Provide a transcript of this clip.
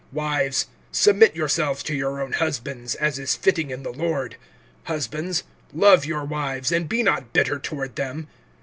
(18)Wives, submit yourselves to your own husbands, as is fitting in the Lord. (19)Husbands, love your wives, and be not bitter toward them.